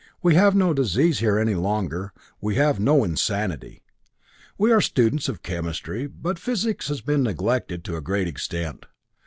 We have no disease here any longer; we have no insanity. We are students of chemistry, but physics has been neglected to a great extent.